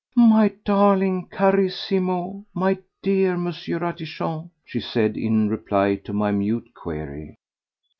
"My darling Carissimo, my dear M. Ratichon," she said in reply to my mute query.